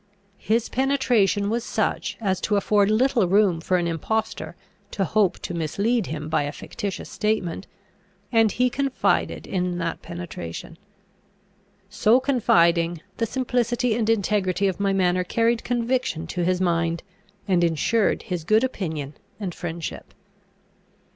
His penetration was such, as to afford little room for an impostor to hope to mislead him by a fictitious statement, and he confided in that penetration. So confiding, the simplicity and integrity of my manner carried conviction to his mind, and insured his good opinion and friendship.